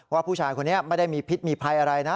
ว่าผู้ชายคนนี้ไม่ได้มีพิษมีภัยอะไรนะ